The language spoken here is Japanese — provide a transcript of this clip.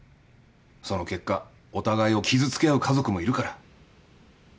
その結果お互いを傷つけ合う家族もいるから。